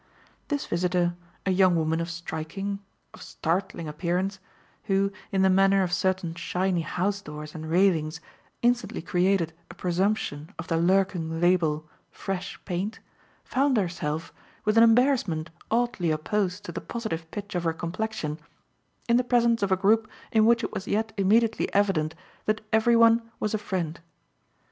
This visitor, a young woman of striking, of startling appearance, who, in the manner of certain shiny house doors and railings, instantly created a presumption of the lurking label "Fresh paint," found herself, with an embarrassment oddly opposed to the positive pitch of her complexion, in the presence of a group in which it was yet immediately evident that every one was a friend.